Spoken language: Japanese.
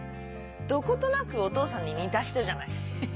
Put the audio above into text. どことなくお父さんに似た人じゃない？